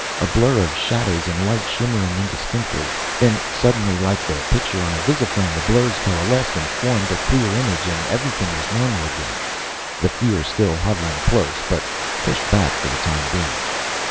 A blur of shadows and light shimmering indistinctly, then suddenly like the picture on a visiphone the blurs coalesced and formed a clear image, and everything was normal again, the fear still hovering close, but pushed back for the time being.